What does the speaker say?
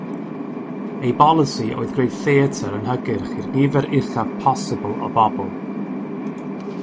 Ei bolisi oedd gwneud theatr yn hygyrch i'r nifer uchaf posibl o bobl.